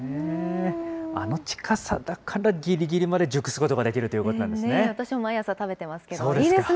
あの近さだから、ぎりぎりまで熟すことができるということなんですね。